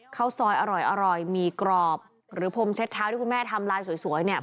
ข้าวซอยอร่อยหมี่กรอบหรือพรมเช็ดเท้าที่คุณแม่ทำลายสวยเนี่ย